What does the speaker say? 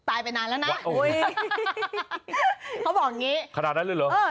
ตายไปนานแล้วน่ะเขาบอกอย่างงี้ขนาดนั้นเลยเหรอเออ